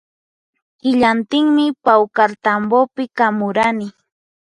Killantinmi pawkartambopi kamurani